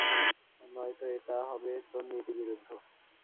নয়তো এটা হবে তোর নীতিবিরুদ্ধ!